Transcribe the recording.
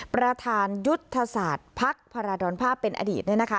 ประธานยุทธศาสตร์ภักดิ์พระราดรภาพเป็นอดีตเนี่ยนะคะ